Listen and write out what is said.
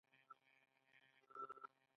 احمد له ډېره وهمه ښارګی شو.